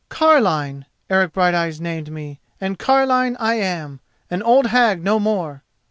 'Carline' Eric Brighteyes named me, and 'carline' I am—an old hag, no more!